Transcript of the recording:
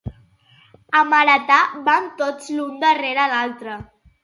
A Marata van tots l'un darrere l'altre